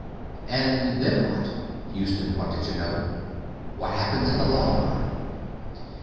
"And then what?" Houston wanted to know. "What happens in the long run?"